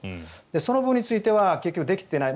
その分についてはできていない。